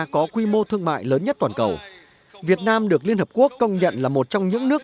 có quy mô thương mại lớn nhất toàn cầu việt nam được liên hợp quốc công nhận là một trong những nước